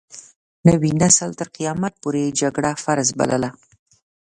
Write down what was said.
نوي نسل تر قيامت پورې جګړه فرض بلله.